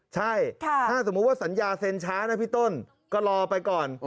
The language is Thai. ใช่ถ้าสมมุติว่าสัญญาเซ็นช้านะพี่ต้นก็รอไปก่อน